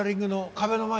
壁の前？